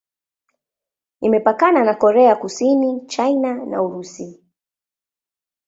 Imepakana na Korea Kusini, China na Urusi.